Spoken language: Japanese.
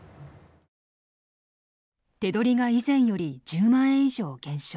手取りが以前より１０万円以上減少。